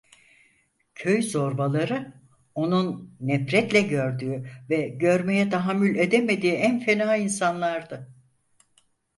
Köy zorbaları, onun nefretle gördüğü ve görmeye tahammül edemediği en fena insanlardı.